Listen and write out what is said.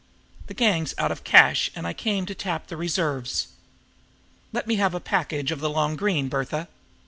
The gang's out of cash, and I came to tap the reserves. Let me have a package of the long green, Bertha."